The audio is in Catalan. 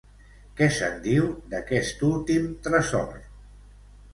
Què se'n diu, d'aquest últim tresor?